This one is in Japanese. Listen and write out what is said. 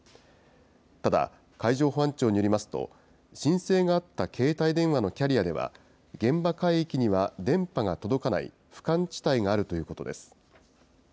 ただ、海上保安庁によりますと、申請があった携帯電話のキャリアでは、現場海域には電波が届かない不感地帯があるということです。